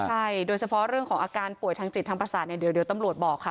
ใช่โดยเฉพาะเรื่องของอาการป่วยทางจิตทางประสาทเนี่ยเดี๋ยวตำรวจบอกค่ะ